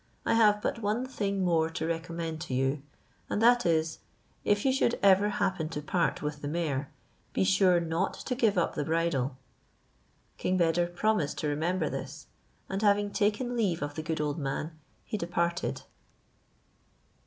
I have but one thing more to recommend to you; and that is, if you should ever happen to part with the mare, be sure not to give up the bridle." King Beder promised to remember this; and having taken leave of the good old man, he departed.